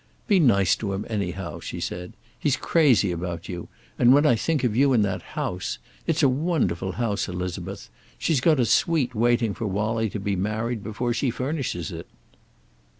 "Be nice to him, anyhow," she said. "He's crazy about you, and when I think of you in that house! It's a wonderful house, Elizabeth. She's got a suite waiting for Wallie to be married before she furnishes it."